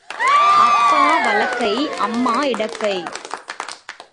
அப்பா வலக்கை அம்மா இடக்கை.